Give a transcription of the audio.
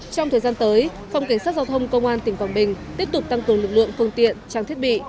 trong thời gian tới phòng cảnh sát giao thông công an tỉnh quảng bình tiếp tục tăng cường lực lượng phương tiện trang thiết bị